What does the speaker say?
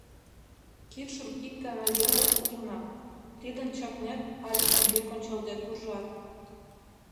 Кидшым ик гана веле ужынак, лӱдын чакнет але шеҥгек ончалде куржат.